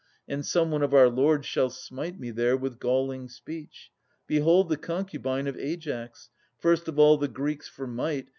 And some one of our lords shall smite me there With galling speech : Behold the concubine Of Aias, first of all the Greeks for might.